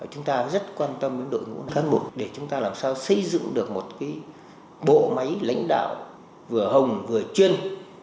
chúng ta rất quan tâm đến đội ngũ thân bộ để chúng ta làm sao xây dựng được một bộ máy lãnh đạo vừa hồng vừa chuyên